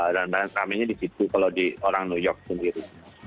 dan perayaan seramanya di situ kalau di orang new york sendiri